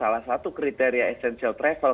padahal dalam salah satu kriteria essential travel